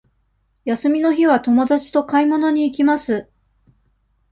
休みの日は友達と買い物に行きます。